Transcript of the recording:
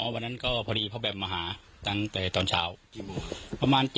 สอบเราไปถึงไหนครั้งนี้